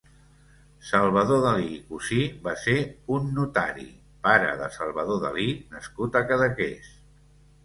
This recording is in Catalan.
Salvador Dalí i Cusí va ser un notari, pare de Salvador Dalí nascut a Cadaqués.